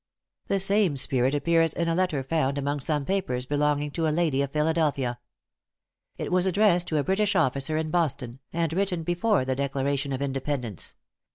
The same spirit appears in a letter found among some papers belonging to a lady of Philadelphia. It was addressed to a British officer in Boston, and written before the Declaration of Independence.